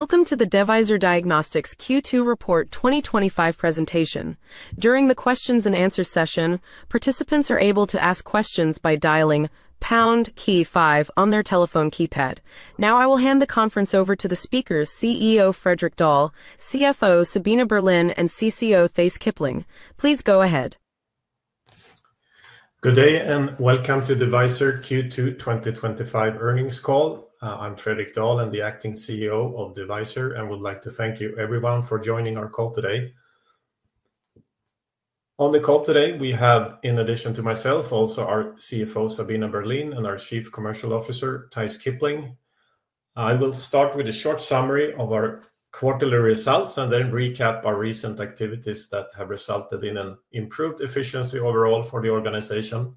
Welcome to the Devyser Diagnostics Q2 report 2025 presentation. During the questions and answers session, participants are able to ask questions by dialing pound key five on their telephone keypad. Now, I will hand the conference over to the speakers: CEO Fredrik Dahl, CFO Sabina Berlin, and CCO Theis Kipling. Please go ahead. Good day and welcome to Devyser Diagnostics Q2 2025 earnings call. I'm Fredrik Dahl, I'm the Acting CEO of Devyser, and I would like to thank you, everyone, for joining our call today. On the call today, we have, in addition to myself, also our CFO Sabina Berlin and our Chief Commercial Officer Theis Kipling. I will start with a short summary of our quarterly results and then recap our recent activities that have resulted in an improved efficiency overall for the organization.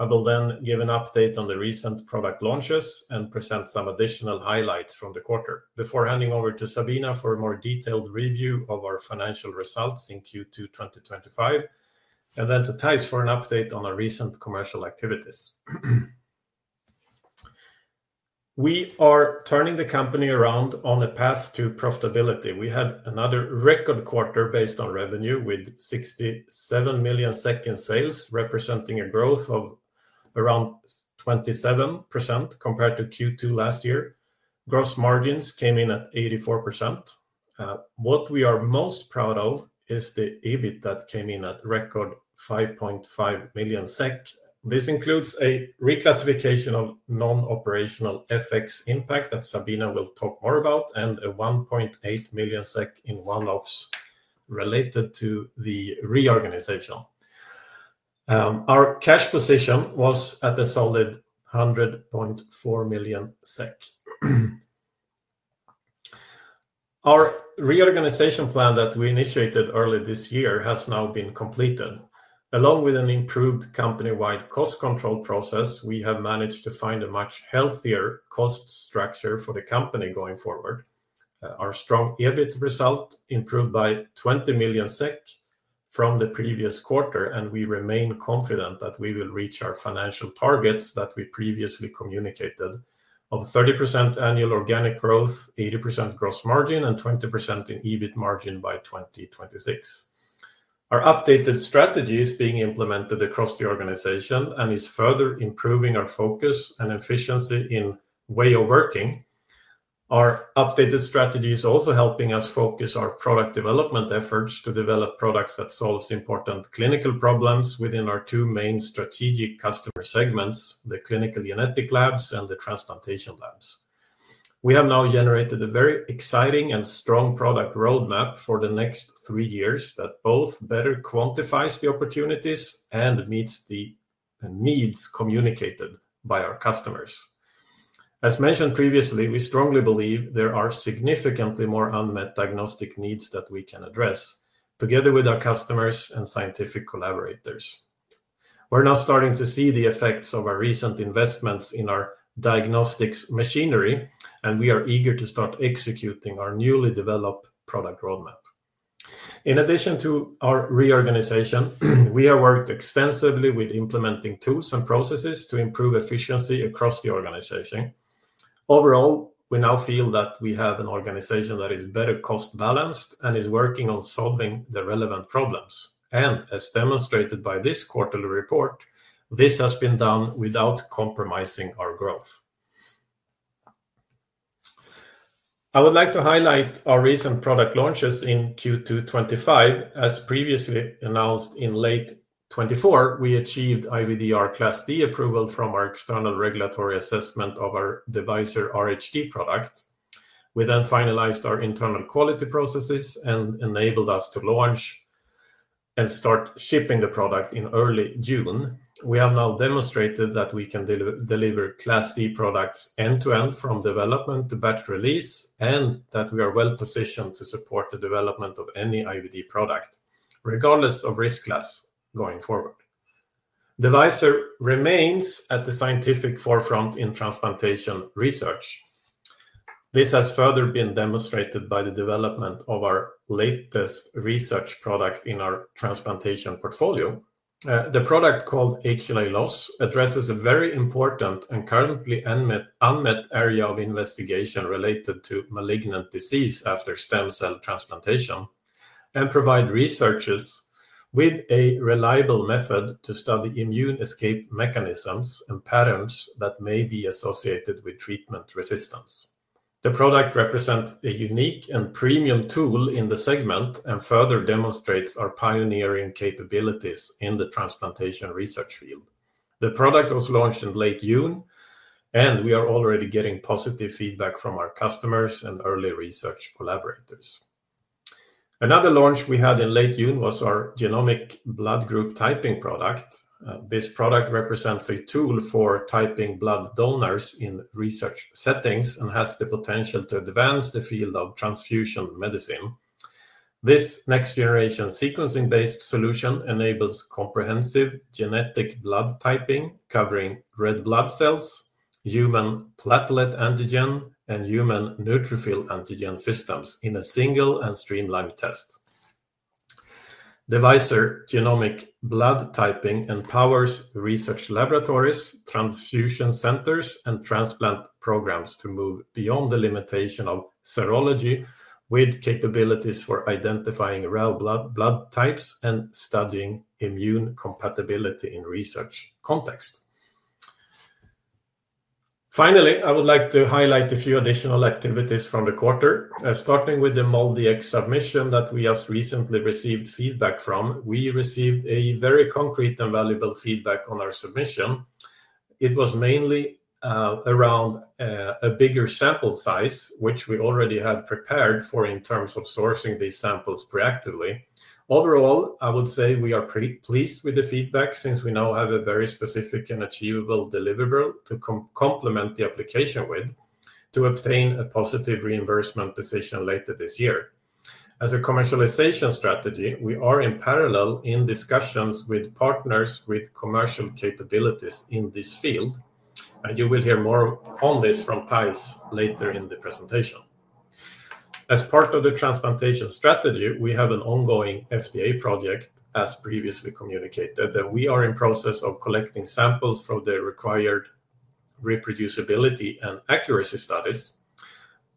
I will then give an update on the recent product launches and present some additional highlights from the quarter before handing over to Sabina for a more detailed review of our financial results in Q2 2025, and then to Theis for an update on our recent commercial activities. We are turning the company around on a path to profitability. We had another record quarter based on revenue with 67 million in sales, representing a growth of around 27% compared to Q2 last year. Gross margins came in at 84%. What we are most proud of is the EBIT that came in at a record 5.5 million SEK. This includes a reclassification of non-operational FX impact that Sabina will talk more about and 1.8 million SEK in one-offs related to the reorganization. Our cash position was at a solid 100.4 million SEK. Our reorganization plan that we initiated early this year has now been completed. Along with an improved company-wide cost control process, we have managed to find a much healthier cost structure for the company going forward. Our strong EBIT result improved by 20 million SEK from the previous quarter, and we remain confident that we will reach our financial targets that we previously communicated of 30% annual organic growth, 80% gross margin, and 20% in EBIT margin by 2026. Our updated strategy is being implemented across the organization and is further improving our focus and efficiency in way of working. Our updated strategy is also helping us focus our product development efforts to develop products that solve important clinical problems within our two main strategic customer segments: the clinical genetic labs and the transplantation labs. We have now generated a very exciting and strong product roadmap for the next three years that both better quantifies the opportunities and meets the needs communicated by our customers. As mentioned previously, we strongly believe there are significantly more unmet diagnostic needs that we can address together with our customers and scientific collaborators. We're now starting to see the effects of our recent investments in our diagnostics machinery, and we are eager to start executing our newly developed product roadmap. In addition to our reorganization, we have worked extensively with implementing tools and processes to improve efficiency across the organization. Overall, we now feel that we have an organization that is better cost-balanced and is working on solving the relevant problems. As demonstrated by this quarterly report, this has been done without compromising our growth. I would like to highlight our recent product launches in Q2 2025. As previously announced, in late 2024, we achieved IVDR Class D approval from our external regulatory assessment of our Devyser RHD product. We then finalized our internal quality processes and enabled us to launch and start shipping the product in early June. We have now demonstrated that we can deliver Class D products end-to-end from development to batch release and that we are well positioned to support the development of any IVD product, regardless of risk class going forward. Devyser remains at the scientific forefront in transplantation research. This has further been demonstrated by the development of our latest research product in our transplantation portfolio. The product called HLA Loss addresses a very important and currently unmet area of investigation related to malignant disease after stem cell transplantation and provides researchers with a reliable method to study immune escape mechanisms and patterns that may be associated with treatment resistance. The product represents a unique and premium tool in the segment and further demonstrates our pioneering capabilities in the transplantation research field. The product was launched in late June, and we are already getting positive feedback from our customers and early research collaborators. Another launch we had in late June was our Genomic Blood Typing solution. This product represents a tool for typing blood donors in research settings and has the potential to advance the field of transfusion medicine. This next-generation sequencing-based solution enables comprehensive genetic blood typing, covering red blood cells, human platelet antigen, and human neutrophil antigen systems in a single and streamlined test. Devyser Genomic Blood Typing empowers research laboratories, transfusion centers, and transplant programs to move beyond the limitation of serology with capabilities for identifying rare blood types and studying immune compatibility in research context. Finally, I would like to highlight a few additional activities from the quarter, starting with the MoDX submission that we just recently received feedback from. We received very concrete and valuable feedback on our submission. It was mainly around a bigger sample size, which we already had prepared for in terms of sourcing these samples pre-actively. Overall, I would say we are pretty pleased with the feedback since we now have a very specific and achievable deliverable to complement the application with to obtain a positive reimbursement decision later this year. As a commercialization strategy, we are in parallel in discussions with partners with commercial capabilities in this field, and you will hear more on this from Theis later in the presentation. As part of the transplantation strategy, we have an ongoing FDA project, as previously communicated, and we are in the process of collecting samples from the required reproducibility and accuracy studies.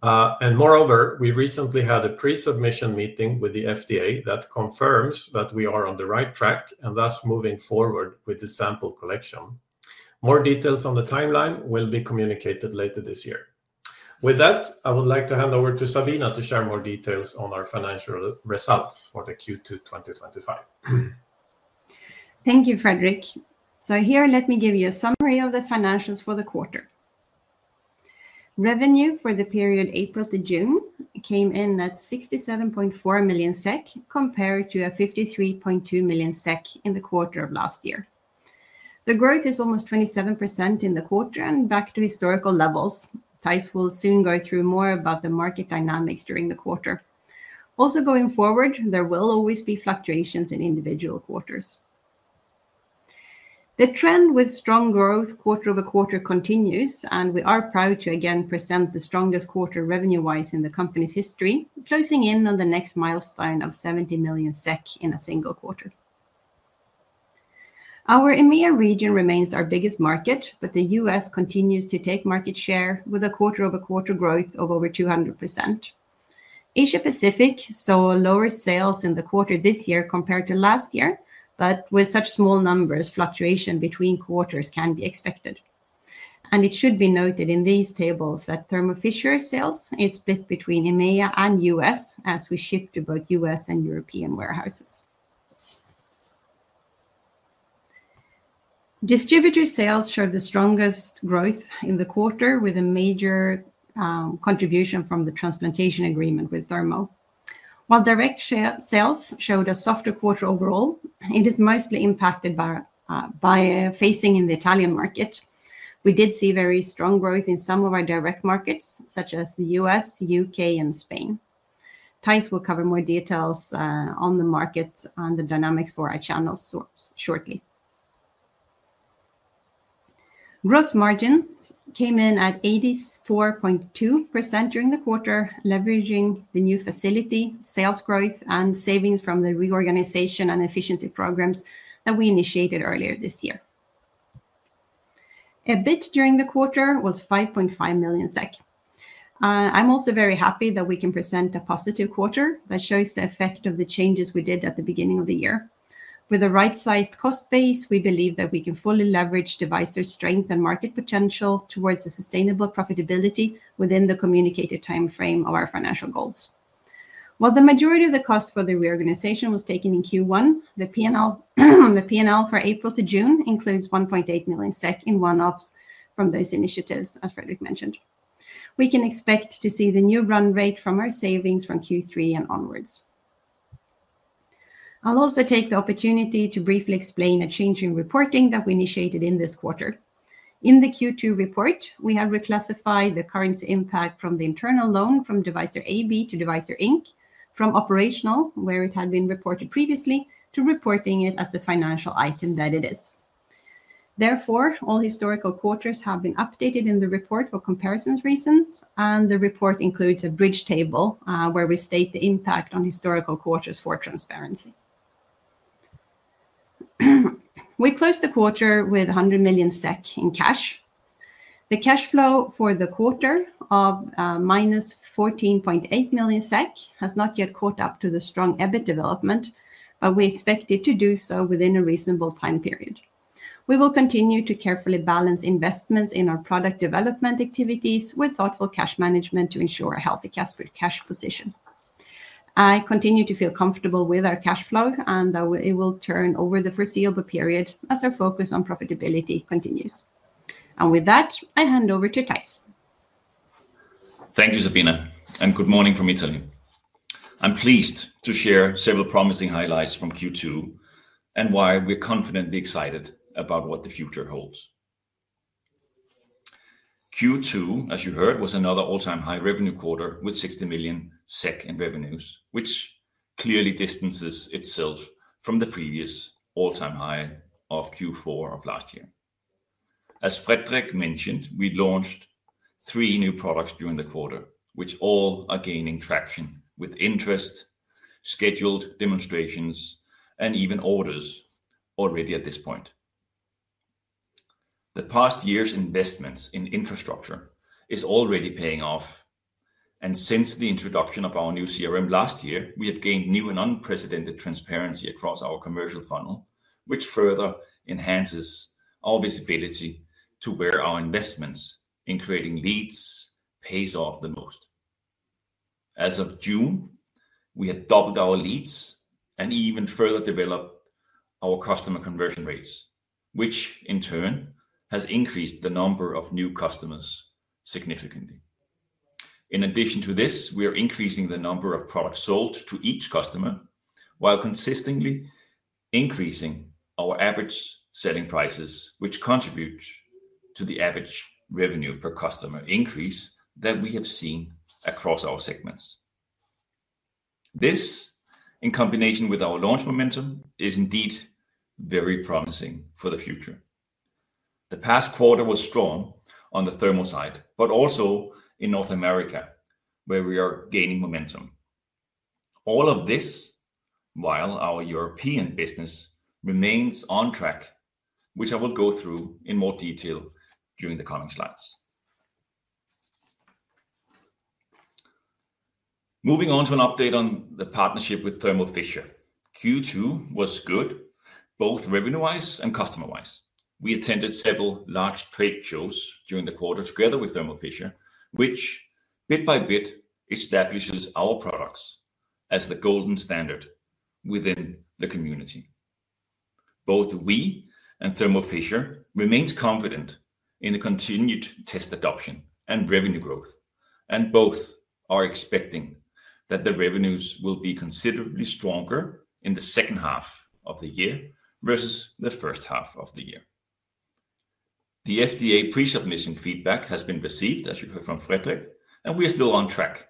Moreover, we recently had a pre-submission meeting with the FDA that confirms that we are on the right track and thus moving forward with the sample collection. More details on the timeline will be communicated later this year. With that, I would like to hand over to Sabina to share more details on our financial results for the Q2 2025. Thank you, Fredrik. Here, let me give you a summary of the financials for the quarter. Revenue for the period April to June came in at 67.4 million SEK compared to 53.2 million SEK in the quarter of last year. The growth is almost 27% in the quarter and back to historical levels. Theis will soon go through more about the market dynamics during the quarter. Also, going forward, there will always be fluctuations in individual quarters. The trend with strong growth quarter over quarter continues, and we are proud to again present the strongest quarter revenue-wise in the company's history, closing in on the next milestone of 70 million SEK in a single quarter. Our EMEA region remains our biggest market, but the U.S. continues to take market share with a quarter over quarter growth of over 200%. Asia Pacific saw lower sales in the quarter this year compared to last year, but with such small numbers, fluctuation between quarters can be expected. It should be noted in these tables that Thermo Fisher sales are split between EMEA and U.S. as we ship to both U.S. and European warehouses. Distributor sales showed the strongest growth in the quarter with a major contribution from the transplantation agreement with Thermo. While direct sales showed a softer quarter overall, it is mostly impacted by a phasing in the Italian market. We did see very strong growth in some of our direct markets, such as the U.S., UK, and Spain. Theis will cover more details on the markets and the dynamics for our channels shortly. Gross margins came in at 84.2% during the quarter, leveraging the new facility, sales growth, and savings from the reorganization and efficiency programs that we initiated earlier this year. EBIT during the quarter was 5.5 million SEK. I'm also very happy that we can present a positive quarter that shows the effect of the changes we did at the beginning of the year. With a right-sized cost base, we believe that we can fully leverage Devyser's strength and market potential towards a sustainable profitability within the communicated timeframe of our financial goals. While the majority of the cost for the reorganization was taken in Q1, the P&L for April to June includes 1.8 million SEK in one-offs from those initiatives as Fredrik mentioned. We can expect to see the new run rate from our savings from Q3 and onwards. I'll also take the opportunity to briefly explain a change in reporting that we initiated in this quarter. In the Q2 report, we have reclassified the currency impact from the internal loan from Devyser AB to Devyser Inc. from operational, where it had been reported previously, to reporting it as the financial item that it is. Therefore, all historical quarters have been updated in the report for comparison reasons, and the report includes a bridge table where we state the impact on historical quarters for transparency. We closed the quarter with 100 million SEK in cash. The cash flow for the quarter of minus 14.8 million SEK has not yet caught up to the strong EBIT development, but we expect it to do so within a reasonable time period. We will continue to carefully balance investments in our product development activities with thoughtful cash management to ensure a healthy cash position. I continue to feel comfortable with our cash flow, and I will turn over the foreseeable period as our focus on profitability continues. With that, I hand over to Theis. Thank you, Sabina, and good morning from Italy. I'm pleased to share several promising highlights from Q2 and why we're confidently excited about what the future holds. Q2, as you heard, was another all-time high revenue quarter with 60 million SEK in revenues, which clearly distances itself from the previous all-time high of Q4 of last year. As Fredrik mentioned, we launched three new products during the quarter, which all are gaining traction with interest, scheduled demonstrations, and even orders already at this point. The past year's investments in infrastructure are already paying off, and since the introduction of our new CRM last year, we have gained new and unprecedented transparency across our commercial funnel, which further enhances our visibility to where our investments in creating leads pay off the most. As of June, we had doubled our leads and even further developed our customer conversion rates, which in turn has increased the number of new customers significantly. In addition to this, we are increasing the number of products sold to each customer while consistently increasing our average selling prices, which contribute to the average revenue per customer increase that we have seen across our segments. This, in combination with our launch momentum, is indeed very promising for the future. The past quarter was strong on the Thermo side, but also in North America, where we are gaining momentum. All of this while our European business remains on track, which I will go through in more detail during the coming slides. Moving on to an update on the partnership with Thermo Fisher, Q2 was good, both revenue-wise and customer-wise. We attended several large trade shows during the quarter together with Thermo Fisher, which bit by bit establishes our products as the golden standard within the community. Both we and Thermo Fisher remain confident in the continued test adoption and revenue growth, and both are expecting that the revenues will be considerably stronger in the second half of the year versus the first half of the year. The FDA pre-submission feedback has been received, as you heard from Fredrik, and we are still on track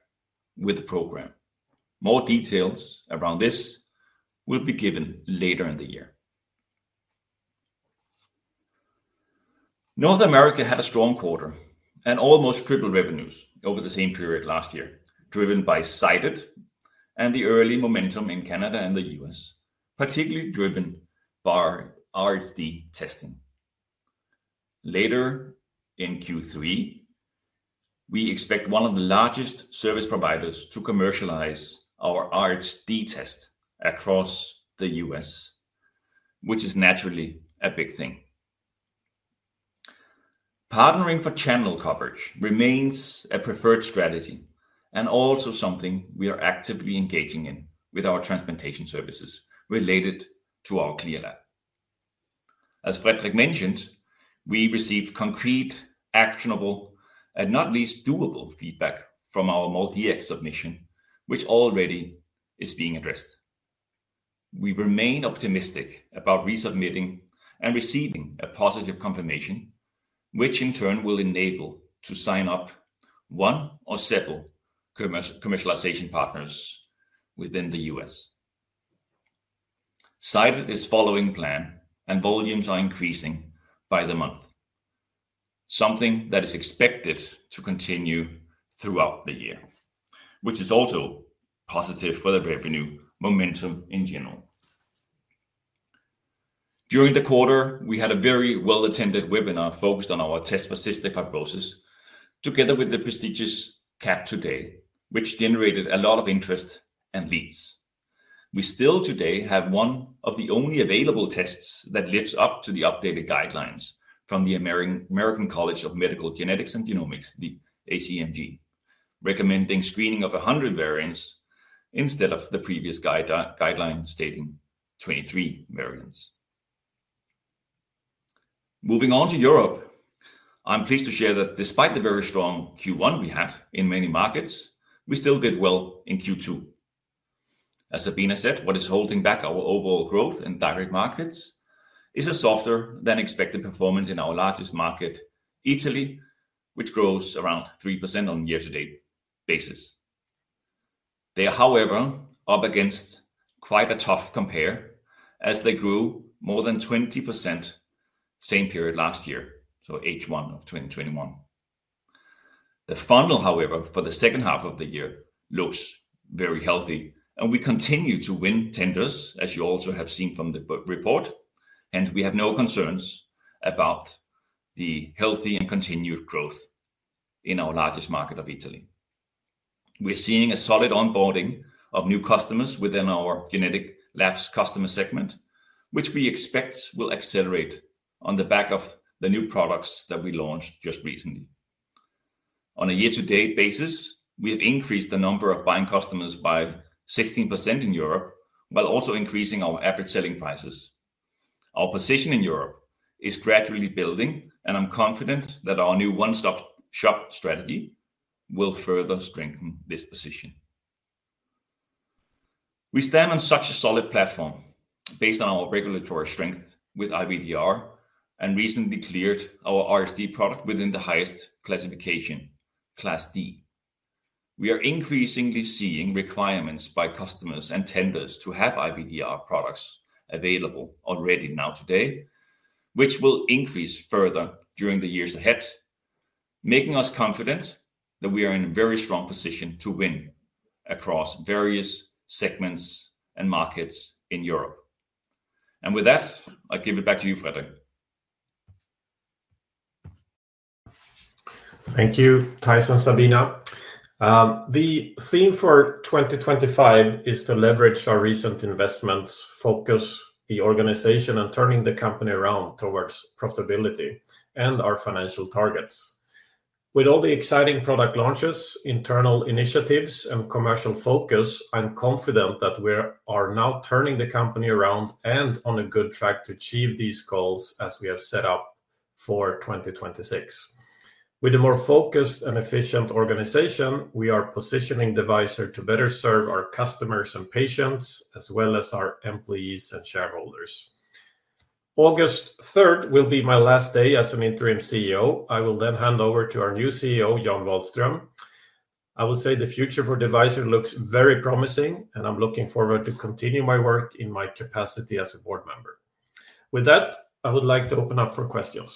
with the program. More details around this will be given later in the year. North America had a strong quarter and almost tripled revenues over the same period last year, driven by Cited and the early momentum in Canada and the U.S., particularly driven by our RHD testing. Later in Q3, we expect one of the largest service providers to commercialize our RHD test across the U.S., which is naturally a big thing. Partnering for channel cover remains a preferred strategy and also something we are actively engaging in with our transplantation services related to our CLIA lab. As Fredrik mentioned, we received concrete, actionable, and not least doable feedback from our MoDX submission, which already is being addressed. We remain optimistic about resubmitting and receiving a positive confirmation, which in turn will enable us to sign up one or several commercialization partners within the U.S. Cited is following plan and volumes are increasing by the month, something that is expected to continue throughout the year, which is also positive for the revenue momentum in general. During the quarter, we had a very well-attended webinar focused on our test for cystic fibrosis, together with the prestigious CAP today, which generated a lot of interest and leads. We still today have one of the only available tests that lives up to the updated guidelines from the American College of Medical Genetics and Genomics, the ACMG, recommending screening of 100 variants instead of the previous guideline stating 23 variants. Moving on to Europe, I'm pleased to share that despite the very strong Q1 we had in many markets, we still did well in Q2. As Sabina said, what is holding back our overall growth in direct markets is a softer than expected performance in our largest market, Italy, which grows around 3% on a year-to-date basis. They are, however, up against quite a tough compare as they grew more than 20% the same period last year, so H1 of 2021. The funnel, however, for the second half of the year looks very healthy, and we continue to win tenders, as you also have seen from the report, and we have no concerns about the healthy and continued growth in our largest market of Italy. We're seeing a solid onboarding of new customers within our genetic labs customer segment, which we expect will accelerate on the back of the new products that we launched just recently. On a year-to-date basis, we have increased the number of buying customers by 16% in Europe, while also increasing our average selling prices. Our position in Europe is gradually building, and I'm confident that our new one-stop shop strategy will further strengthen this position. We stand on such a solid platform based on our regulatory strength with IVDR and recently cleared our RHD product within the highest classification, Class D. We are increasingly seeing requirements by customers and tenders to have IVDR products available already now today, which will increase further during the years ahead, making us confident that we are in a very strong position to win across various segments and markets in Europe. With that, I'll give it back to you, Fredrik. Thank you, Theis and Sabina. The theme for 2025 is to leverage our recent investments, focus the organization, and turning the company around towards profitability and our financial targets. With all the exciting product launches, internal initiatives, and commercial focus, I'm confident that we are now turning the company around and on a good track to achieve these goals as we have set up for 2026. With a more focused and efficient organization, we are positioning Devyser to better serve our customers and patients, as well as our employees and shareholders. August 3rd will be my last day as Interim CEO. I will then hand over to our new CEO, John Wahlström. I will say the future for Devyser looks very promising, and I'm looking forward to continuing my work in my capacity as a board member. With that, I would like to open up for questions.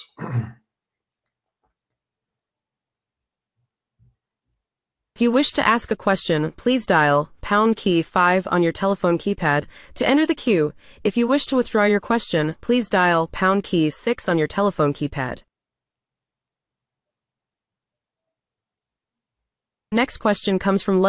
If you wish to ask a question, please dial pound key five on your telephone keypad to enter the queue. If you wish to withdraw your question, please dial pound key six on your telephone keypad. Next question comes from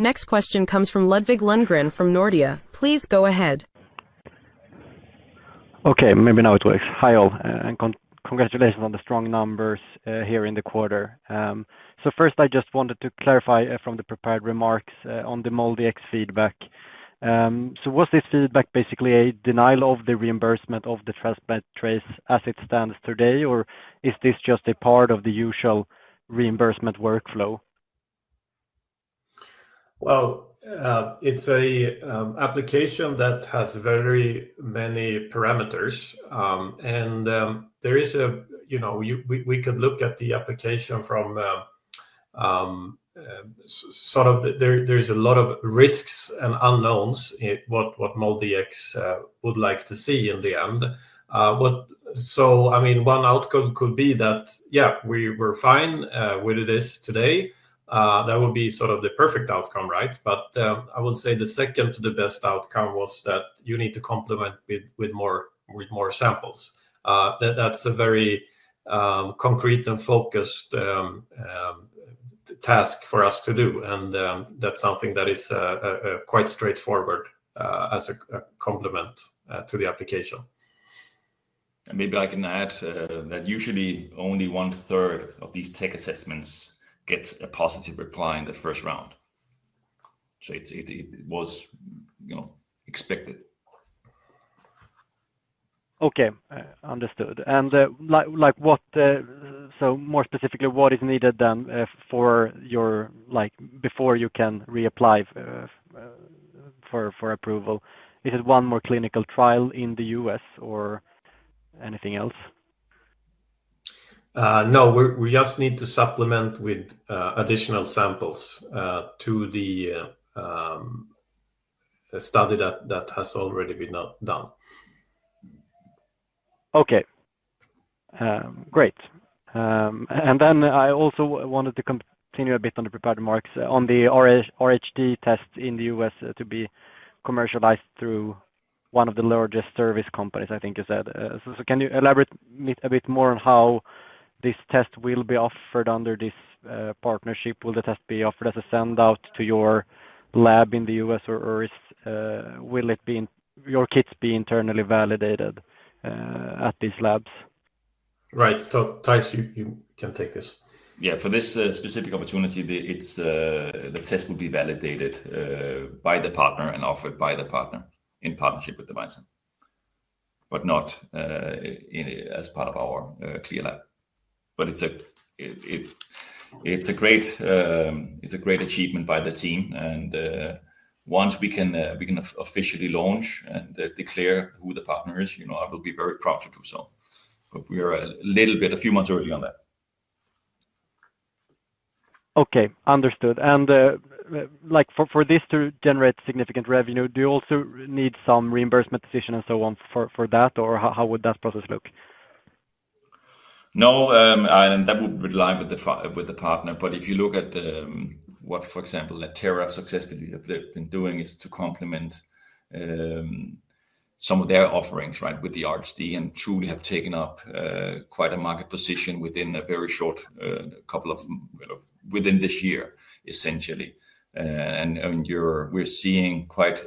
Ludvig Lundgren from Nordea. Please go ahead. Okay, maybe now it works. Hi all, and congratulations on the strong numbers here in the quarter. I just wanted to clarify from the prepared remarks on the MoDX feedback. Was this feedback basically a denial of the reimbursement of the transplant trace as it stands today, or is this just a part of the usual reimbursement workflow? It is an application that has very many parameters, and there is a, you know, we could look at the application from sort of, there's a lot of risks and unknowns in what MoDX would like to see in the end. One outcome could be that, yeah, we were fine with this today. That would be the perfect outcome, right? I would say the second to the best outcome was that you need to complement with more samples. That's a very concrete and focused task for us to do, and that's something that is quite straightforward as a complement to the application. I can add that usually only one third of these tech assessments gets a positive reply in the first round. It was, you know, expected. Okay, understood. More specifically, what is needed then before you can reapply for approval? Is it one more clinical trial in the U.S. or anything else? No, we just need to supplement with additional samples to the study that has already been done. Okay, great. I also wanted to continue a bit on the prepared remarks on the RHD test in the U.S. to be commercialized through one of the largest service companies, I think you said. Can you elaborate a bit more on how this test will be offered under this partnership? Will the test be offered as a send-out to your lab in the U.S., or will your kits be internally validated at these labs? Right. Theis, you can take this. Yeah, for this specific opportunity, the test will be validated by the partner and offered by the partner in partnership with Devyser, but not as part of our CLIA lab. It is a great achievement by the team, and once we can officially launch and declare who the partner is, you know, I will be very proud to do so. We are a little bit, a few months early on that. Okay, understood. For this to generate significant revenue, do you also need some reimbursement decision and so on for that, or how would that process look? No, and that would be aligned with the partner, but if you look at what, for example, Laterra successfully have been doing is to complement some of their offerings, right, with the RHD and truly have taken up quite a market position within a very short couple of, you know, within this year, essentially. We're seeing quite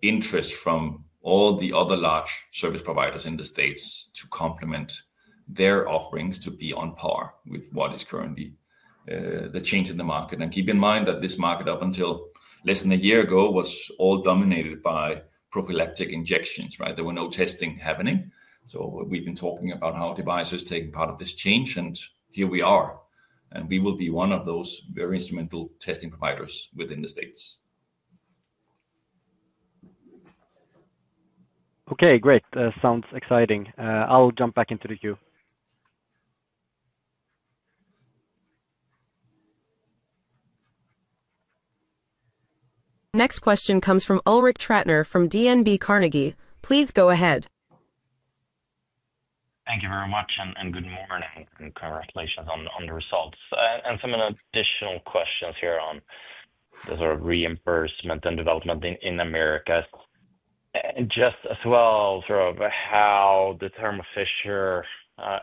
interest from all the other large service providers in the States to complement their offerings to be on par with what is currently the change in the market. Keep in mind that this market, up until less than a year ago, was all dominated by prophylactic injections, right? There were no testing happening. We've been talking about how Devyser has taken part of this change, and here we are, and we will be one of those very instrumental testing providers within the states. Okay, great. That sounds exciting. I'll jump back into the queue. Next question comes from Ulrik Trattner from DNB Carnegie. Please go ahead. Thank you very much, and good morning, and congratulations on the results. I have some additional questions here on the sort of reimbursement and development in America. Just as well, how the Thermo Fisher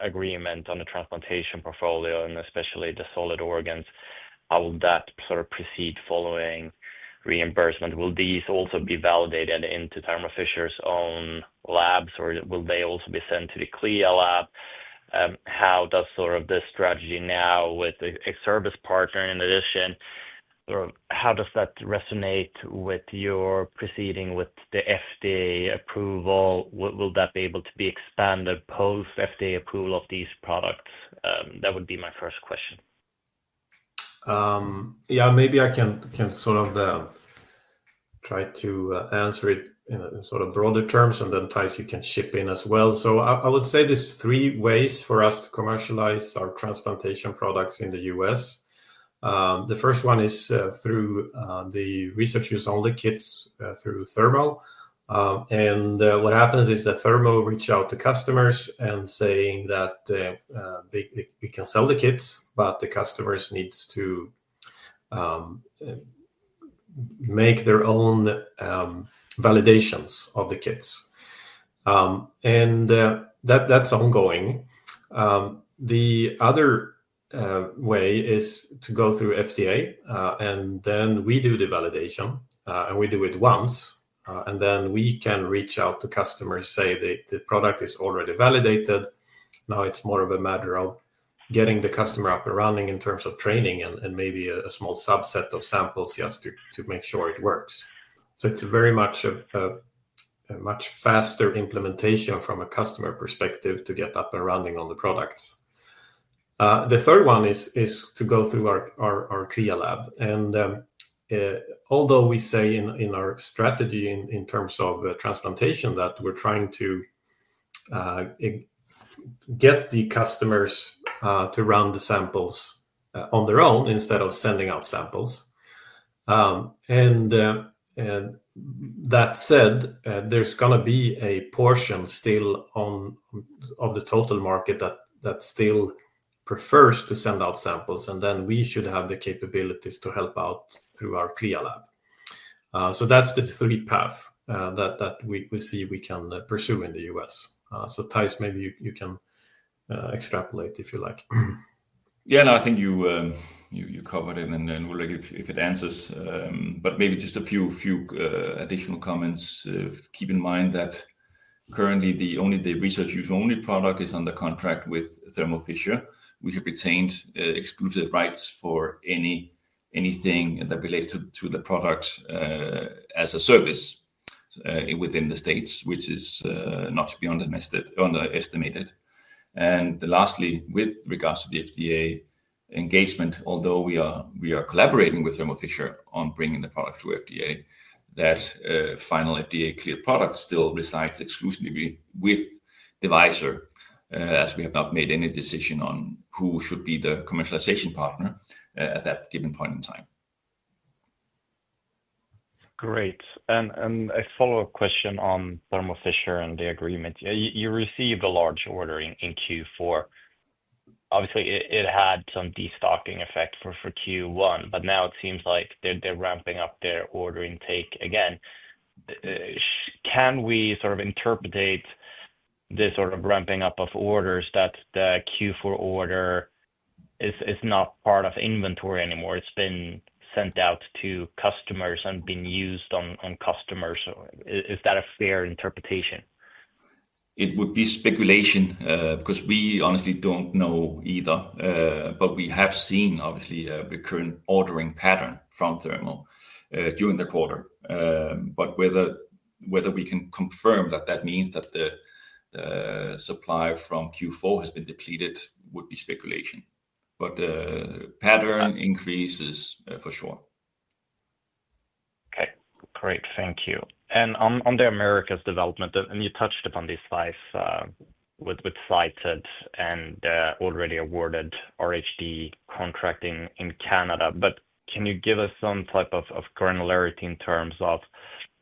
agreement on the transplantation portfolio, and especially the solid organs, how will that proceed following reimbursement? Will these also be validated into Thermo Fisher's own labs, or will they also be sent to the CLIA lab? How does this strategy now with a service partner in addition, how does that resonate with your proceeding with the FDA approval? Will that be able to be expanded post-FDA approval of these products? That would be my first question. Yeah, maybe I can sort of try to answer it in broader terms, and then Theis, you can chip in as well. I would say there's three ways for us to commercialize our transplantation products in the U.S. The first one is through the research use only kits through Thermo. What happens is that Thermo reaches out to customers and says that they can sell the kits, but the customers need to make their own validations of the kits. That's ongoing. The other way is to go through FDA, and then we do the validation, and we do it once, and then we can reach out to customers and say that the product is already validated. Now it's more of a matter of getting the customer up and running in terms of training and maybe a small subset of samples just to make sure it works. It's very much a much faster implementation from a customer perspective to get up and running on the products. The third one is to go through our CLIA lab. Although we say in our strategy in terms of transplantation that we're trying to get the customers to run the samples on their own instead of sending out samples, that said, there's going to be a portion still of the total market that still prefers to send out samples, and then we should have the capabilities to help out through our CLIA lab. That's the three paths that we see we can pursue in the U.S. Theis, maybe you can extrapolate if you like. Yeah, no, I think you covered it, and we'll look if it answers, but maybe just a few additional comments. Keep in mind that currently the research use only product is under contract with Thermo Fisher. We have retained exclusive rights for anything that relates to the product as a service within the U.S., which is not to be underestimated. Lastly, with regards to the FDA engagement, although we are collaborating with Thermo Fisher on bringing the product through FDA, that final FDA cleared product still resides exclusively with Devyser, as we have not made any decision on who should be the commercialization partner at that given point in time. Great. A follow-up question on Thermo Fisher and the agreement. You received a large order in Q4. Obviously, it had some destocking effect for Q1, but now it seems like they're ramping up their order intake again. Can we sort of interpret this sort of ramping up of orders that the Q4 order is not part of inventory anymore? It's been sent out to customers and been used on customers. Is that a fair interpretation? It would be speculation because we honestly don't know either. We have seen obviously a recurrent ordering pattern from Thermo during the quarter. Whether we can confirm that that means that the supply from Q4 has been depleted would be speculation. The pattern increases for sure. Okay, great. Thank you. On the Americas development, you touched upon these five with Cited and already awarded RHD contracting in Canada, but can you give us some type of granularity in terms of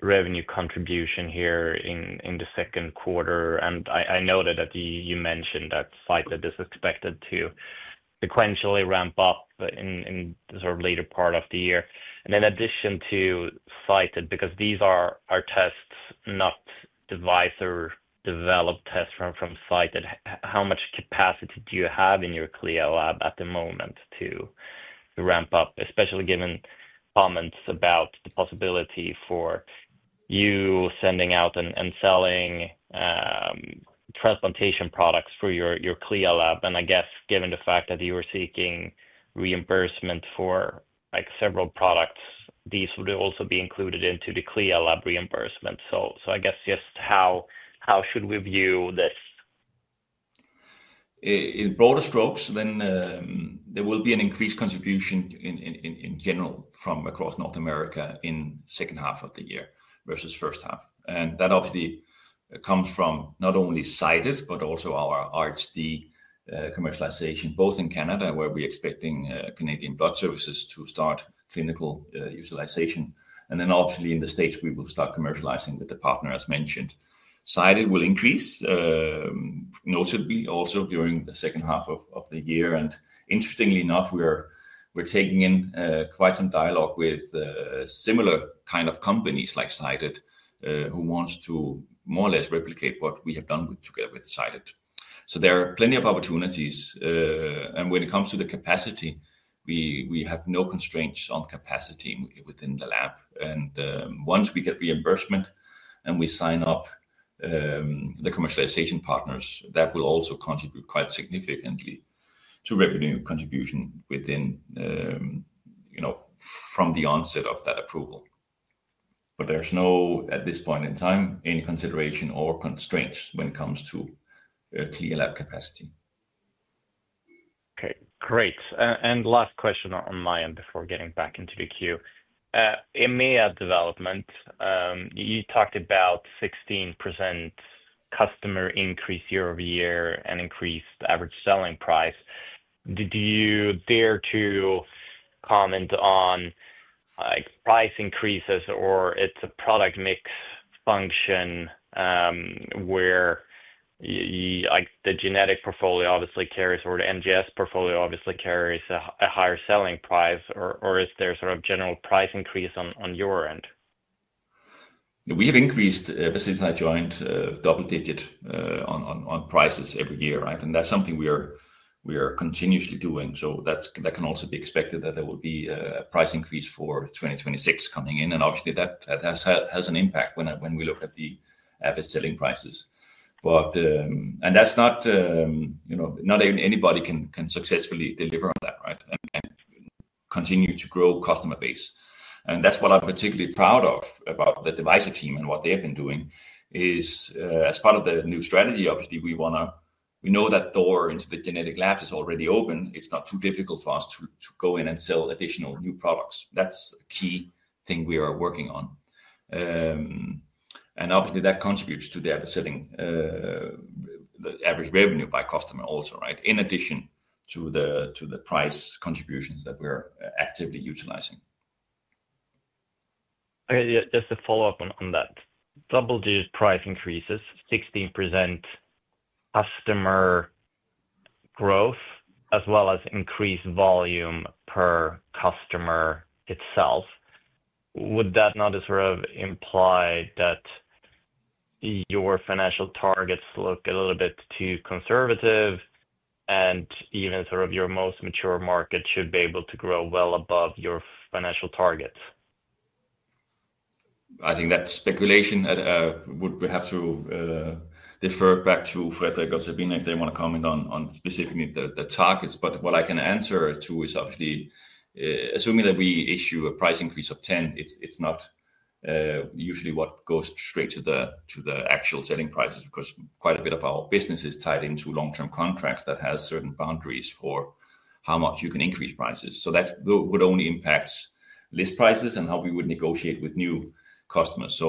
revenue contribution here in the second quarter? I noted that you mentioned that Cited is expected to sequentially ramp up in the later part of the year. In addition to Cited, because these are our tests, not Devyser-developed tests from Cited, how much capacity do you have in your CLIA lab at the moment to ramp up, especially given comments about the possibility for you sending out and selling transplantation products through your CLIA lab? I guess given the fact that you are seeking reimbursement for several products, these would also be included into the CLIA lab reimbursement. How should we view this? In broader strokes, there will be an increased contribution in general from across North America in the second half of the year versus the first half. That obviously comes from not only Cited, but also our RHD commercialization, both in Canada, where we're expecting Canadian Blood Services to start clinical utilization, and in the U.S., we will start commercializing with the partner, as mentioned. Cited will increase notably also during the second half of the year. Interestingly enough, we're taking in quite some dialogue with similar kind of companies like Cited, who want to more or less replicate what we have done together with Cited. There are plenty of opportunities. When it comes to the capacity, we have no constraints on capacity within the lab. Once we get reimbursement and we sign up the commercialization partners, that will also contribute quite significantly to revenue contribution from the onset of that approval. There is no, at this point in time, any consideration or constraints when it comes to CLIA lab capacity. Okay, great. Last question on my end before getting back into the queue. EMEA development, you talked about 16% customer increase year-over-year and increased average selling price. Do you dare to comment on like price increases, or it's a product mix function where the genetic portfolio obviously carries or the NGS portfolio obviously carries a higher selling price, or is there sort of general price increase on your end? We have increased, since I joined, double-digit on prices every year, right? That's something we are continuously doing. That can also be expected, that there will be a price increase for 2026 coming in. Obviously, that has an impact when we look at the average selling prices. Not anybody can successfully deliver on that, right? Continue to grow customer base. That's what I'm particularly proud of about the Devyser team and what they've been doing. As part of the new strategy, obviously, we want to, we know that door into the genetic labs is already open. It's not too difficult for us to go in and sell additional new products. That's a key thing we are working on. Obviously, that contributes to the average selling, the average revenue by customer also, right? In addition to the price contributions that we're actively utilizing. Okay, just to follow up on that, double-digit price increases, 16% customer growth, as well as increased volume per customer itself, would that not imply that your financial targets look a little bit too conservative and even your most mature market should be able to grow well above your financial targets? I think that's speculation. I would perhaps defer back to Fredrik or Sabina if they want to comment on specifically the targets. What I can answer to is obviously, assuming that we issue a price increase of 10%, it's not usually what goes straight to the actual selling prices because quite a bit of our business is tied into long-term contracts that have certain boundaries for how much you can increase prices. That would only impact list prices and how we would negotiate with new customers.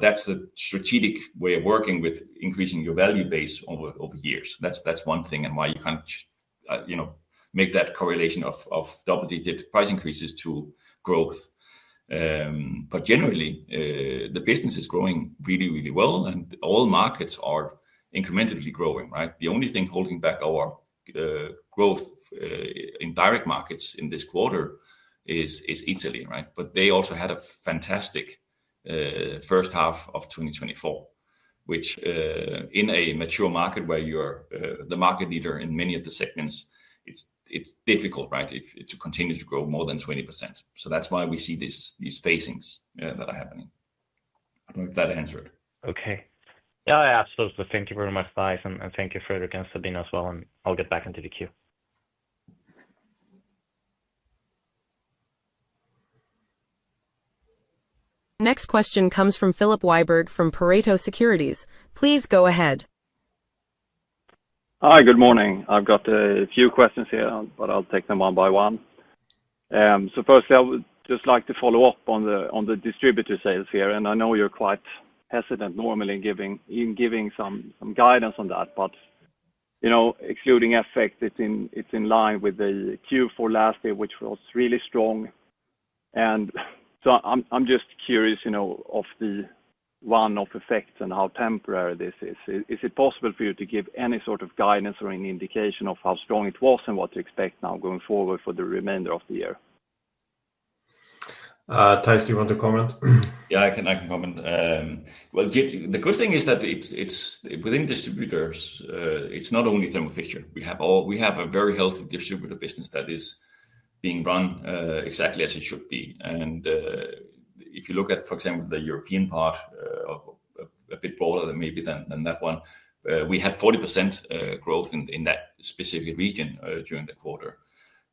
That's the strategic way of working with increasing your value base over years. That's one thing and why you can't, you know, make that correlation of double-digit price increases to growth. Generally, the business is growing really, really well, and all markets are incrementally growing, right? The only thing holding back our growth in direct markets in this quarter is Italy, right? They also had a fantastic first half of 2024, which in a mature market where you're the market leader in many of the segments, it's difficult, right, to continue to grow more than 20%. That's why we see these phasings that are happening. I hope that answered. Okay. Yeah, absolutely. Thank you very much, Theis, and thank you, Fredrik and Sabina as well. I'll get back into the queue. Next question comes from Filip Wiberg from Pareto Securities. Please go ahead. Hi, good morning. I've got a few questions here, but I'll take them one by one. Firstly, I would just like to follow up on the distributor sales here. I know you're quite hesitant normally in giving some guidance on that, but excluding effect, it's in line with the Q4 last year, which was really strong. I'm just curious, of the one-off effects and how temporary this is. Is it possible for you to give any sort of guidance or any indication of how strong it was and what to expect now going forward for the remainder of the year? Theis, do you want to comment? I can comment. The good thing is that it's within distributors, it's not only Thermo Fisher. We have a very healthy distributor business that is being run exactly as it should be. If you look at, for example, the European part, a bit broader than maybe that one, we had 40% growth in that specific region during the quarter.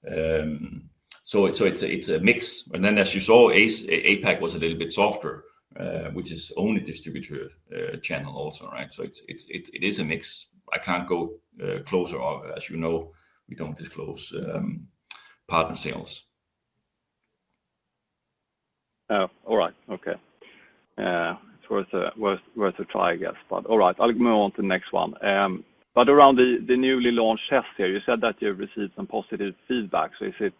It's a mix. As you saw, APAC was a little bit softer, which is the only distributor channel also, right? It is a mix. I can't go closer, as you know, we don't disclose partner sales. All right. It's worth a try, I guess. I'll move on to the next one. Around the newly launched tests, you said that you received some positive feedback. Is it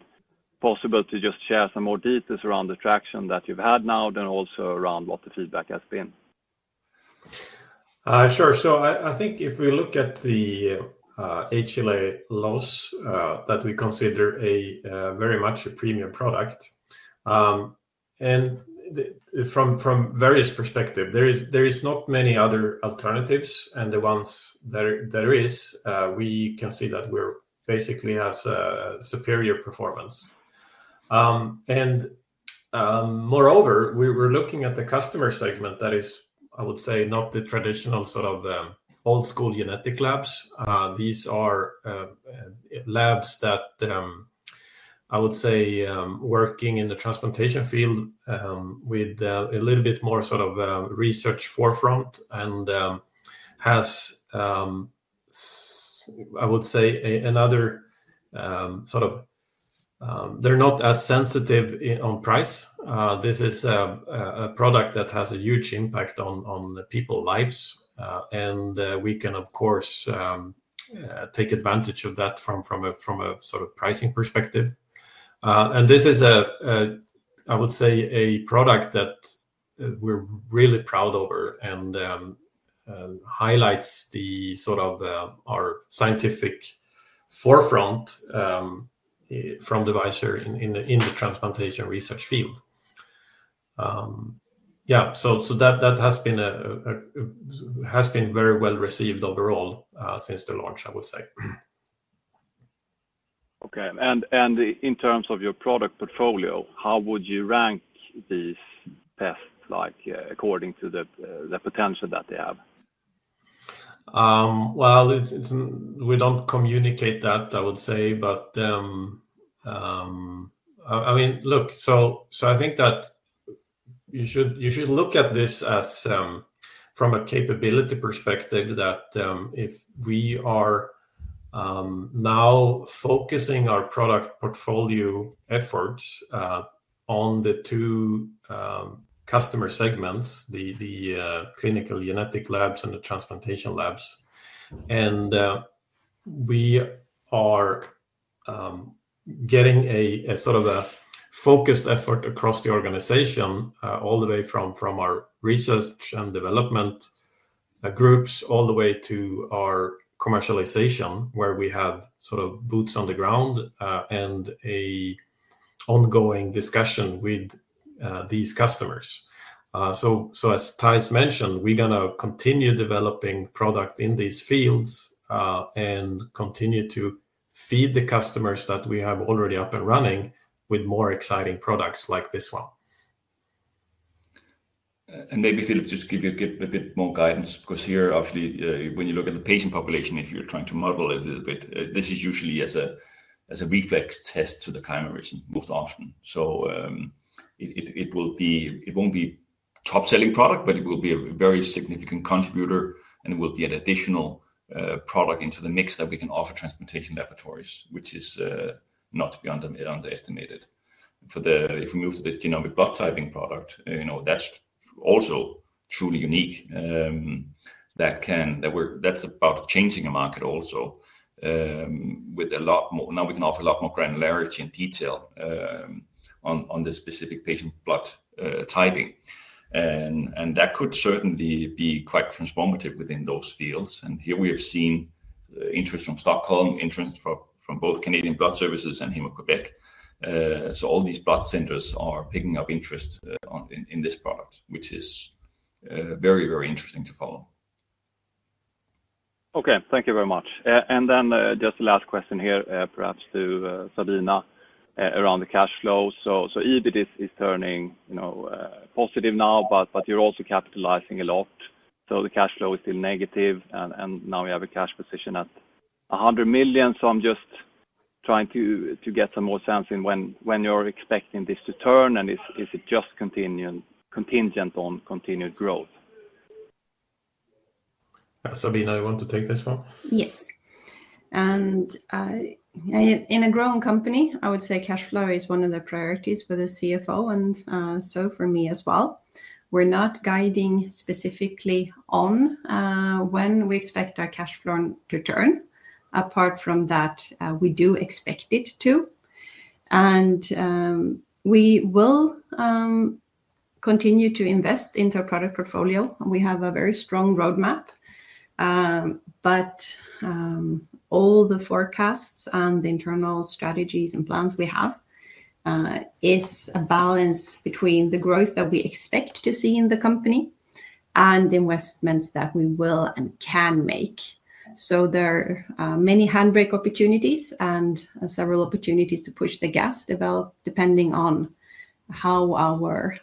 possible to share some more details around the traction that you've had now, and also around what the feedback has been? Sure. I think if we look at the HLA Loss, that we consider very much a premium product. From various perspectives, there are not many other alternatives, and the ones that there are, we can see that we're basically at superior performance. Moreover, we're looking at the customer segment that is, I would say, not the traditional sort of old-school genetic labs. These are labs that I would say are working in the transplantation field with a little bit more sort of research forefront and have, I would say, another sort of, they're not as sensitive on price. This is a product that has a huge impact on people's lives, and we can, of course, take advantage of that from a sort of pricing perspective. This is a product that we're really proud of and highlights our scientific forefront from Devyser in the transplantation research field. That has been very well received overall since the launch, I would say. Okay, in terms of your product portfolio, how would you rank these tests according to the potential that they have? I would say, but I mean, look, so I think that you should look at this as from a capability perspective that if we are now focusing our product portfolio efforts on the two customer segments, the clinical genetic labs and the transplantation labs, and we are getting a sort of a focused effort across the organization all the way from our research and development groups all the way to our commercialization where we have sort of boots on the ground and an ongoing discussion with these customers. As Theis Kipling mentioned, we're going to continue developing products in these fields and continue to feed the customers that we have already up and running with more exciting products like this one. Maybe Philip, just to give you a bit more guidance because here, obviously, when you look at the patient population, if you're trying to model it a little bit, this is usually as a reflex test to the chimerism most often. It won't be a top-selling product, but it will be a very significant contributor, and it will be an additional product into the mix that we can offer transplantation laboratories, which is not to be underestimated. If we move to the Genomic Blood Typing product, you know, that's also truly unique. That's about changing a market also with a lot more, now we can offer a lot more granularity and detail on the specific patient blood typing. That could certainly be quite transformative within those fields. Here we have seen interest from Stockholm, interest from both Canadian Blood Services and Héma-Québec. All these blood centers are picking up interest in this product, which is very, very interesting to follow. Okay, thank you very much. Just the last question here, perhaps to Sabina, around the cash flow. EBIT is turning positive now, but you're also capitalizing a lot. The cash flow is still negative, and now you have a cash position at 100 million. I'm just trying to get some more sense in when you're expecting this to turn, and is it just contingent on continued growth? Sabina, you want to take this one? Yes. In a growing company, I would say cash flow is one of the priorities for the CFO, and so for me as well. We're not guiding specifically on when we expect our cash flow to turn. Apart from that, we do expect it to. We will continue to invest into our product portfolio. We have a very strong roadmap, but all the forecasts and the internal strategies and plans we have are a balance between the growth that we expect to see in the company and the investments that we will and can make. There are many handbrake opportunities and several opportunities to push the gas develop depending on how our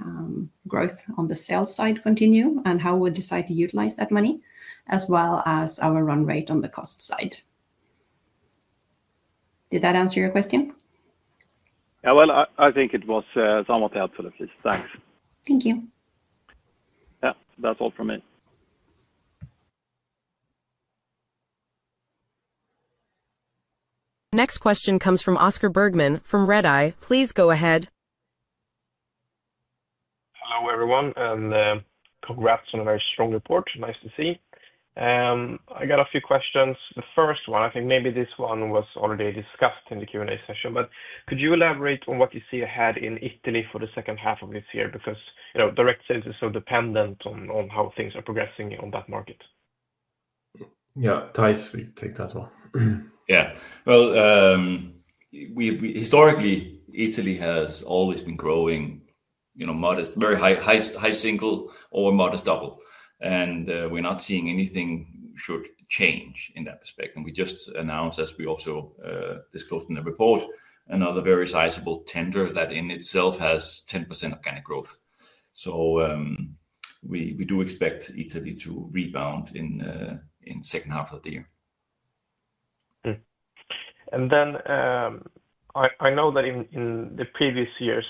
growth on the sales side continues and how we decide to utilize that money, as well as our run rate on the cost side. Did that answer your question? I think it was somewhat helpful at least. Thanks. Thank you. Yeah, that's all from me. Next question comes from Oscar Bergman from Redeye. Please go ahead. Hello everyone, and congrats on a very strong report. Nice to see. I got a few questions. The first one, I think maybe this one was already discussed in the Q&A session, but could you elaborate on what you see ahead in Italy for the second half of this year? Because, you know, direct sales is so dependent on how things are progressing on that market. Yeah, Theis, you take that one. Historically, Italy has always been growing, you know, modest, very high single or modest double. We're not seeing anything short change in that respect. We just announced, as we also discussed in the report, another very sizable tender that in itself has 10% organic growth. We do expect Italy to rebound in the second half of the year. In previous years,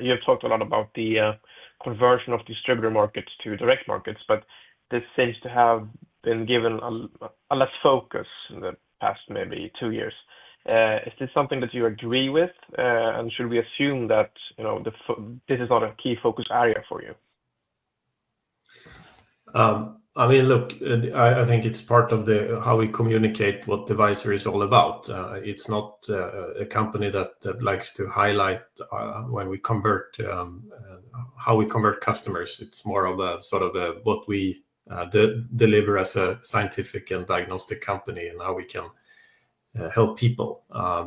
you've talked a lot about the conversion of distributor markets to direct markets. This seems to have been given less focus in the past maybe two years. Is this something that you agree with? Should we assume that this is not a key focus area for you? I think it's part of how we communicate what Devyser is all about. It's not a company that likes to highlight how we convert customers. It's more of a sort of what we deliver as a scientific and diagnostic company and how we can help people. I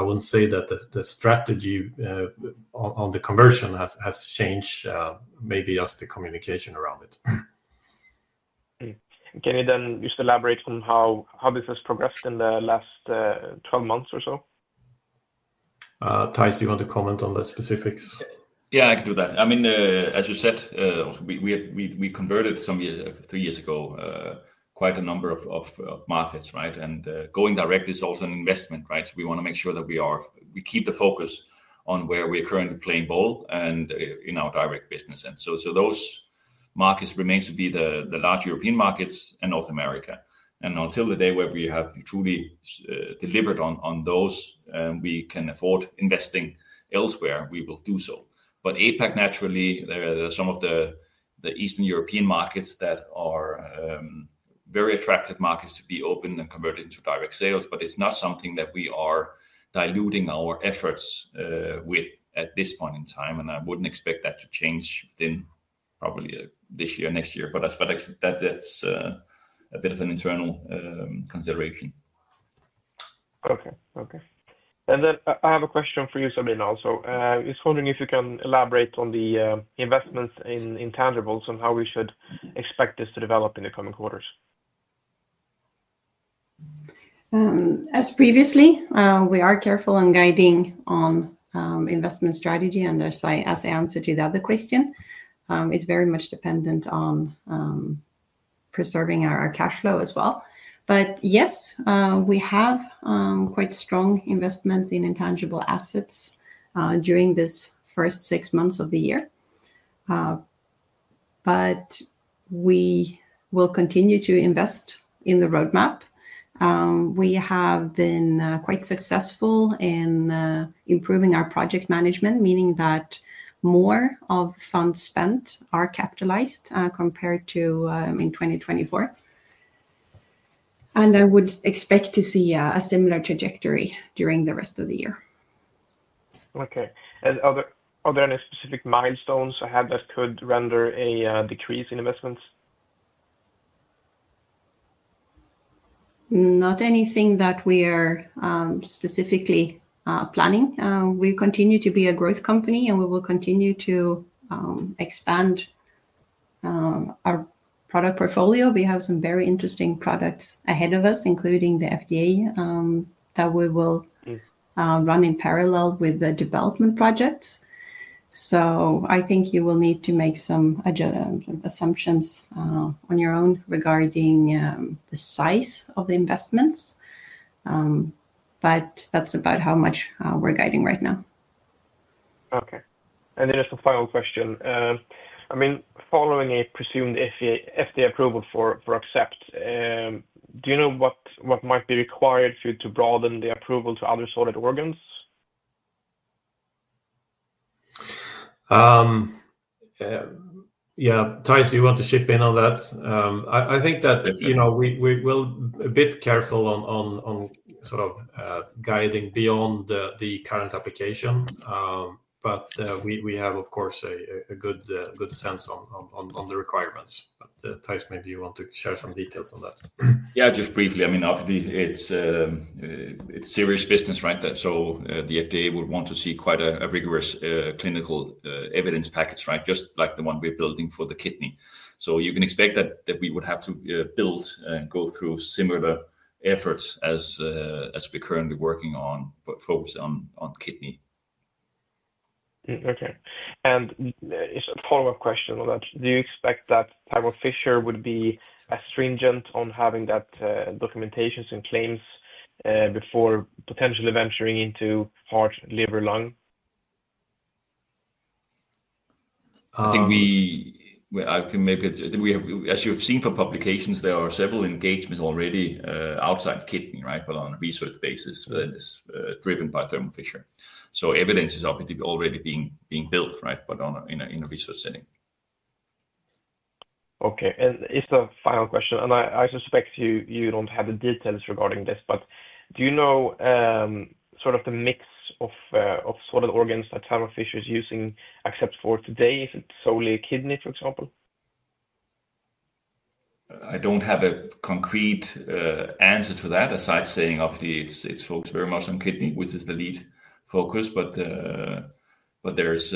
wouldn't say that the strategy on the conversion has changed, maybe just the communication around it. Can you then just elaborate on how this has progressed in the last 12 months or so? Theis, you want to comment on the specifics? Yeah, I can do that. I mean, as you said, we converted some three years ago quite a number of markets, right? Going directly is also an investment, right? We want to make sure that we keep the focus on where we're currently playing ball and in our direct business. Those markets remain to be the large European markets and North America. Until the day where we have truly delivered on those and we can afford investing elsewhere, we will do so. APAC, naturally, there are some of the Eastern European markets that are very attractive markets to be opened and converted into direct sales. It's not something that we are diluting our efforts with at this point in time. I wouldn't expect that to change within probably this year, next year. I feel like that's a bit of an internal consideration. Okay. I have a question for you, Sabina, also. I was wondering if you can elaborate on the investments in intangibles and how we should expect this to develop in the coming quarters. As previously, we are careful and guiding on investment strategy. As I answered to the other question, it's very much dependent on preserving our cash flow as well. Yes, we have quite strong investments in intangible assets during these first six months of the year. We will continue to invest in the roadmap. We have been quite successful in improving our project management, meaning that more of the funds spent are capitalized compared to in 2024. I would expect to see a similar trajectory during the rest of the year. Okay. Are there any specific milestones ahead that could render a decrease in investments? Not anything that we are specifically planning. We continue to be a growth company, and we will continue to expand our product portfolio. We have some very interesting products ahead of us, including the FDA project that we will run in parallel with the development projects. I think you will need to make some assumptions on your own regarding the size of the investments. That's about how much we're guiding right now. Okay. Just a final question. I mean, following a presumed FDA approval for Accept, do you know what might be required for you to broaden the approval to other solid organs? Yeah, Theis, you want to chip in on that? I think that, you know, we will be a bit careful on sort of guiding beyond the current application. We have, of course, a good sense on the requirements. Theis, maybe you want to share some details on that? Yeah, just briefly. I mean, obviously, it's serious business, right? The FDA would want to see quite a rigorous clinical evidence package, right? Just like the one we're building for the kidney. You can expect that we would have to build and go through similar efforts as we're currently working on, but focus on kidney. Okay. Just a follow-up question on that. Do you expect that Thermo Fisher would be as stringent on having that documentation and claims before potentially venturing into heart, liver, lung? I think we have, as you've seen from publications, there are several engagements already outside kidney, right? On a research basis, it's driven by Thermo Fisher. Evidence is obviously already being built, right? In a research setting. Okay. Just a final question. I suspect you don't have the details regarding this, but do you know sort of the mix of solid organs that Thermo Fisher is using except for today? Is it solely a kidney, for example? I don't have a concrete answer to that, aside from saying obviously it's focused very much on kidney, which is the lead focus. There's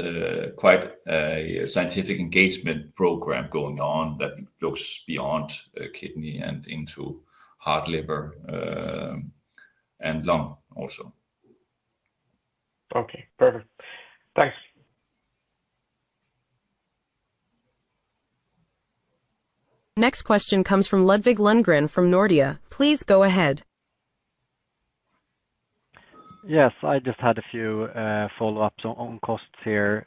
quite a scientific engagement program going on that looks beyond kidney and into heart, liver, and lung also. Okay, perfect. Thanks. Next question comes from Ludvig Lundgren from Nordea. Please go ahead. Yes, I just had a few follow-ups on costs here.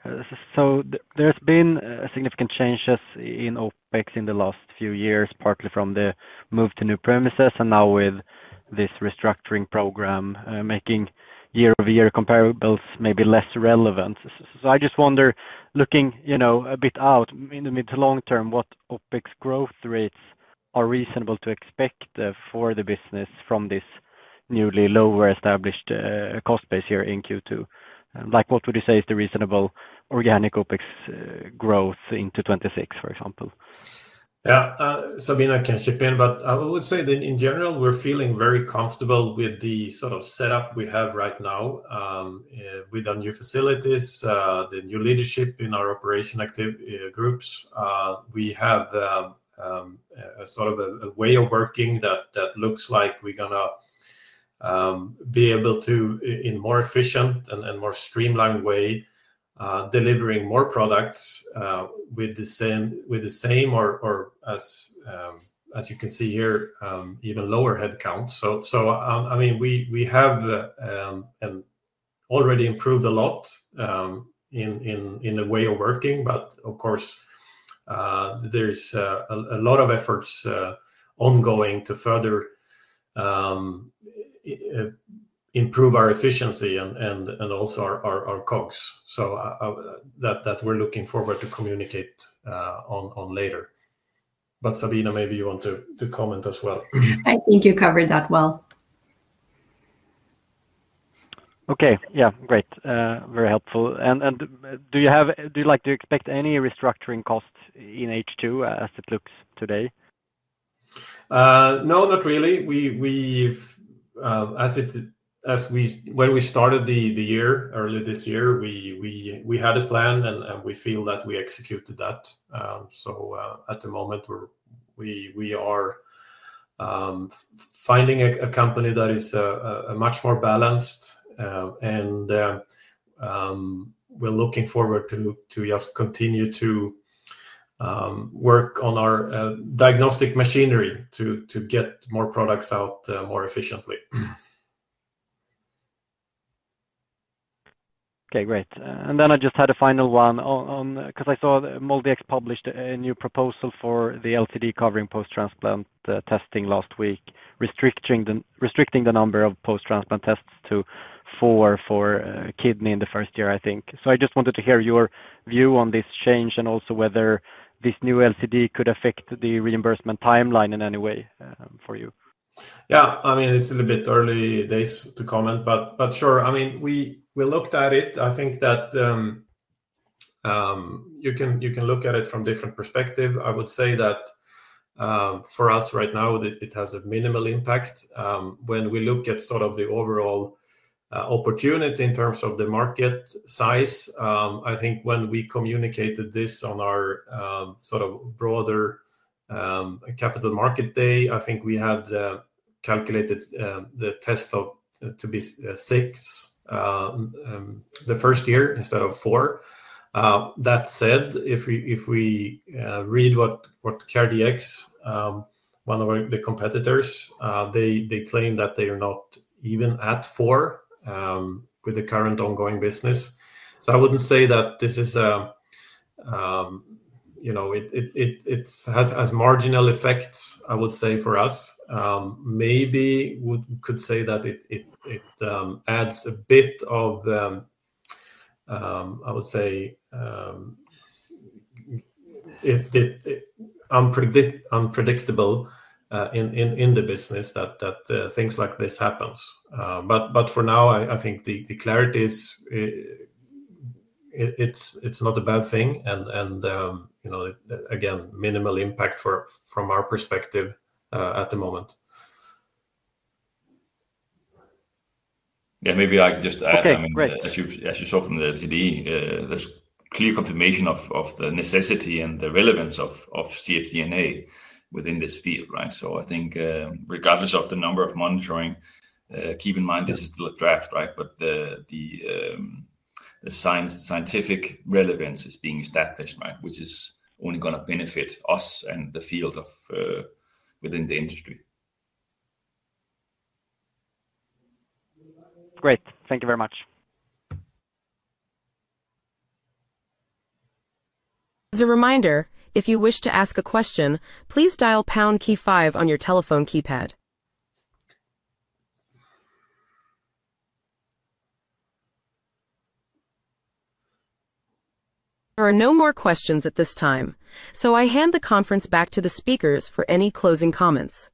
There have been significant changes in OpEx in the last few years, partly from the move to new premises and now with this restructuring program making year-over-year comparables maybe less relevant. I just wonder, looking a bit out in the mid to long term, what OpEx growth rates are reasonable to expect for the business from this newly lower established cost base here in Q2. What would you say is the reasonable organic OpEx growth into 2026, for example? Yeah, Sabina, I can chip in, but I would say that in general, we're feeling very comfortable with the sort of setup we have right now with our new facilities, the new leadership in our operation groups. We have a sort of a way of working that looks like we're going to be able to, in a more efficient and more streamlined way, deliver more products with the same, or as you can see here, even lower headcount. I mean, we have already improved a lot in the way of working, but of course, there's a lot of efforts ongoing to further improve our efficiency and also our costs. We're looking forward to communicate on that later. Sabina, maybe you want to comment as well. I think you covered that well. Okay, great. Very helpful. Do you expect any restructuring costs in H2 as it looks today? No, not really. When we started the year, early this year, we had a plan and we feel that we executed that. At the moment, we are finding a company that is much more balanced and we're looking forward to just continue to work on our diagnostic machinery to get more products out more efficiently. Okay, great. I just had a final one because I saw MoDX published a new proposal for the LCD covering post-transplant testing last week, restricting the number of post-transplant tests to four for kidney in the first year, I think. I just wanted to hear your view on this change and also whether this new LCD could affect the reimbursement timeline in any way for you. Yeah, I mean, it's a little bit early days to comment, but sure, I mean, we looked at it. I think that you can look at it from a different perspective. I would say that for us right now, it has a minimal impact. When we look at sort of the overall opportunity in terms of the market size, I think when we communicated this on our sort of broader capital market day, I think we had calculated the test to be six the first year instead of four. That said, if we read what CardiX, one of the competitors, they claim that they are not even at four with the current ongoing business. I wouldn't say that this is, you know, it has marginal effects, I would say, for us. Maybe we could say that it adds a bit of, I would say, unpredictable in the business that things like this happen. For now, I think the clarity is it's not a bad thing. You know, again, minimal impact from our perspective at the moment. Yeah, maybe I can just add, I mean, as you saw from the LCD, there's clear confirmation of the necessity and the relevance of cfDNA within this field, right? I think regardless of the number of monitoring, keep in mind this is still a draft, right? The scientific relevance is being established, which is only going to benefit us and the field within the industry. Great. Thank you very much. As a reminder, if you wish to ask a question, please dial pound key five on your telephone keypad. There are no more questions at this time, so I hand the conference back to the speakers for any closing comments.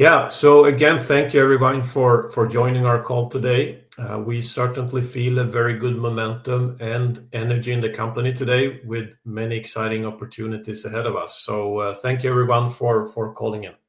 Thank you everyone for joining our call today. We certainly feel a very good momentum and energy in the company today with many exciting opportunities ahead of us. Thank you everyone for calling in.